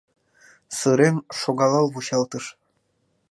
Сырен, шогалал вучалтыш.